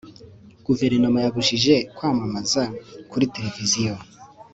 guverinoma yabujije kwamamaza kuri televiziyo